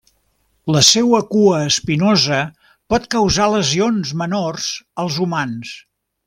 La seua cua espinosa pot causar lesions menors als humans.